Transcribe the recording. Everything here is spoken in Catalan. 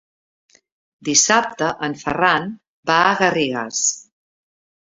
Dissabte en Ferran va a Garrigàs.